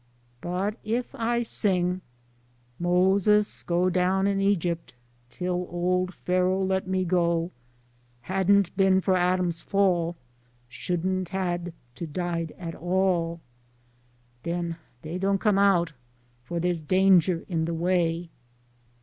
But if I sing : Moses go clown in Egypt, Till ole Pharo' let me go ; Hadn't been for Adam's fall, Shouldn't hab to died at all, den dey don't come out, for dere's danger in de way."